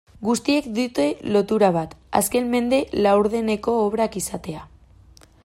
Guztiek dute lotura bat, azken mende laurdeneko obrak izatea.